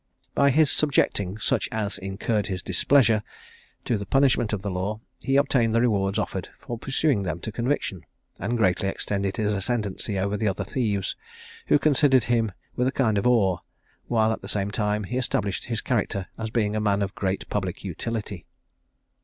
By his subjecting such as incurred his displeasure to the punishment of the law, he obtained the rewards offered for pursuing them to conviction; and greatly extended his ascendancy over the other thieves, who considered him with a kind of awe; while, at the same time, he established his character as being a man of great public utility.